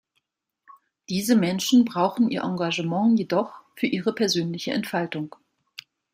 Diese Menschen brauchen ihr Engagement jedoch für ihre persönliche Entfaltung.